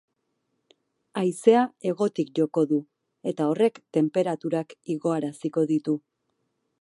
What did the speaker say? Haizea hegotik joko du, eta horrek tenperaturak igoaraziko ditu.